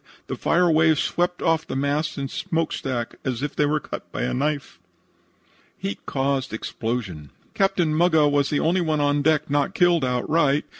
The fire wave swept off the masts and smokestack as if they were cut with a knife. HEAT CAUSED EXPLOSIONS "Captain Muggah was the only one on deck not killed outright.